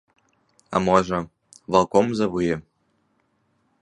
А можа, ваўком завые?